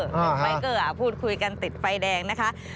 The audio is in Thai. ติดไฟเกอร์พูดคุยกันติดไฟแดงนะคะ